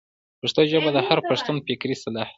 پښتو ژبه د هر پښتون فکري سلاح ده.